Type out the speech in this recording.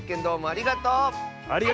ありがとう！